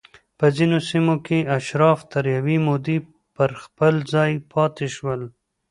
په ځینو سیمو کې اشراف تر یوې مودې پر خپل ځای پاتې شول